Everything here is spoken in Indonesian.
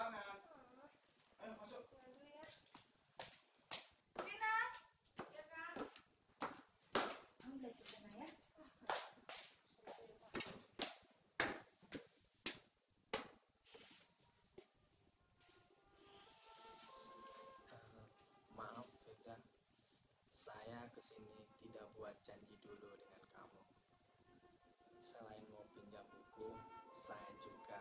maaf kejadian saya kesini tidak buat janji dulu dengan kamu selain mau pinjam hukum saya juga